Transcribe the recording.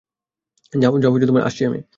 যাও আসছি আমি।